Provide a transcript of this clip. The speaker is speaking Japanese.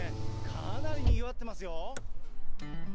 かなりにぎわってますよ。